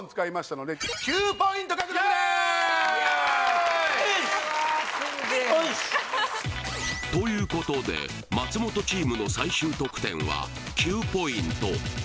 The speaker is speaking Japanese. おし！ということで松本チームの最終得点は９ポイント